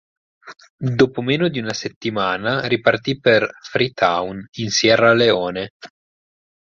Dopo meno di una settimana ripartì per Freetown, in Sierra Leone.